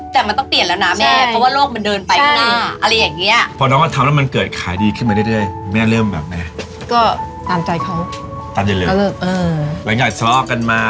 แต่มันต้องเปลี่ยนแล้วนะแม่